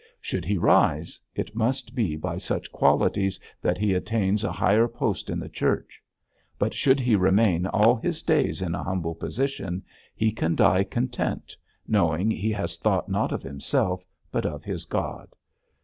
Should he rise, it must be by such qualities that he attains a higher post in the Church; but should he remain all his days in a humble position, he can die content, knowing he has thought not of himself but of his God.